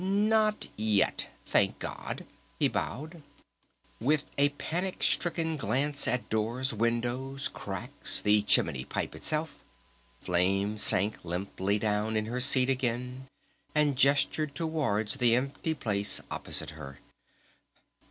"Not yet, Thank God!" he bowed. With a panic stricken glance at doors, windows, cracks, the chimney pipe itself, Flame sank limply down in her seat again and gestured towards the empty place opposite her.